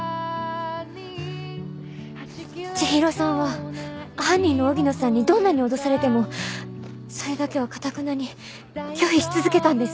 千広さんは犯人の荻野さんにどんなに脅されてもそれだけはかたくなに拒否し続けたんです。